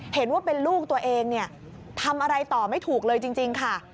เห็นว่าเป็นลูกตัวเองเนี่ยทำอะไรต่อไม่ถูกเลยจริงค่ะ